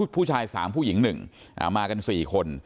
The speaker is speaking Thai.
ผู้ชายสามผู้หญิงหนึ่งมากันสี่คน